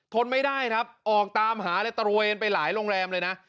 ทนไม่ได้ครับออกตามหาเลยตระเวนไปหลายโรงแรมเลยนะ